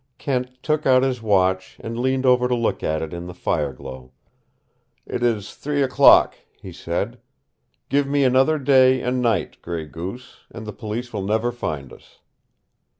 Kent took out his watch and leaned over to look at it in the fireglow. "It is three o'clock," he said. "Give me another day and night, Gray Goose, and the Police will never find us."